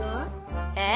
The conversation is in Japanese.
「えっ？